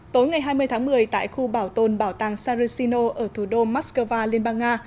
tối ngày hai mươi tháng một mươi tại khu bảo tồn bảo tàng sarasino ở thủ đô moscow liên bang nga